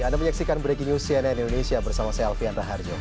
anda menyaksikan breaking news cnn indonesia bersama saya alfian raharjo